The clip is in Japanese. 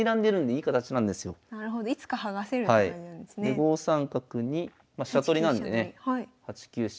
５三角にま飛車取りなんでね８九飛車